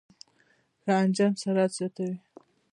ښه انجن سرعت زیاتوي.